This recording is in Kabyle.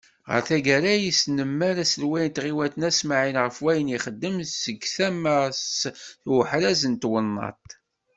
Ɣer taggara, yesnemmer aselway n tɣiwant n At Smaεel ɣef wayen i ixeddem seg tama-s i uḥraz n twennaḍt.